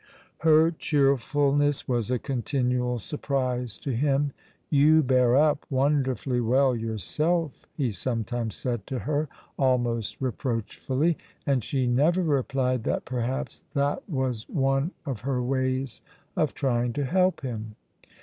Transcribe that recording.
Her cheerfulness was a continual surprise to him. "You bear up wonderfully well yourself," he sometimes said to her, almost reproachfully, and she never replied that, perhaps, that was one of her ways of trying to help him.